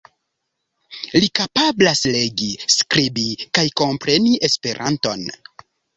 Li kapablas legi, skribi kaj kompreni Esperanton.